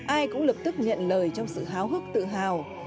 ai cũng lập tức nhận lời trong sự háo hức tự hào